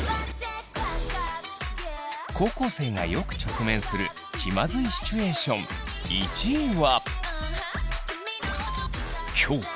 高校生がよく直面する気まずいシチュエーション１位は。